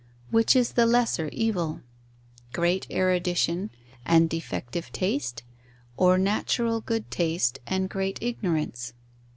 Which is the lesser evil? great erudition and defective taste, or natural good taste and great ignorance?